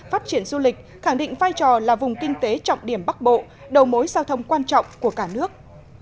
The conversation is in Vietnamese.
phát triển du lịch khẳng định vai trò là vùng kinh tế trọng điểm bắc bộ đầu mối giao thông quan trọng của cả nước